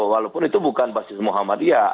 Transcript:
walaupun itu bukan basis muhammadiyah